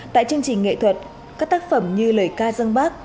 tại chương trình nghệ thuật các tác phẩm như lời ca dân bác